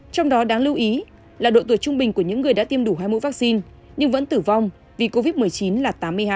trong đó đáng lưu ý là độ tuổi trung bình của những người đã tiêm đủ hai mũi vaccine nhưng vẫn tử vong vì covid một mươi chín là tám mươi hai